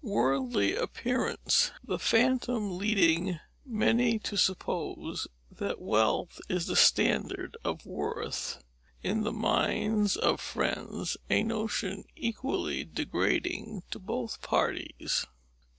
Worldly appearance; the phantom leading many to suppose that wealth is the standard of worth in the minds of friends, a notion equally degrading to both parties.